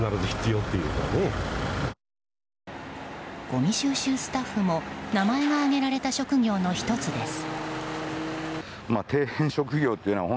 ごみ収集スタッフも名前が挙げられた職業の１つです。